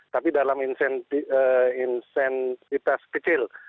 tapi dalam intensitas kecil